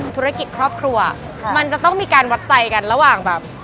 ธุรกิจครอบครัวมันจะต้องมีการวัดใจกันระหว่างแบบ